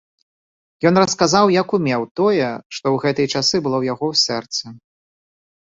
Ён расказаў як умеў тое, што ў гэтыя часы было ў яго сэрцы.